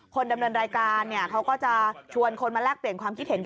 ดำเนินรายการเขาก็จะชวนคนมาแลกเปลี่ยนความคิดเห็น